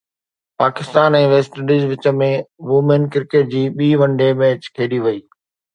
Pakistan ۽ West Indies وچ ۾ women cricket جي ٻي ون ڊي ميچ کيڏي وئي